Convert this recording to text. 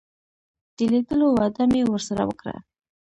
د لیدلو وعده مې ورسره وکړه.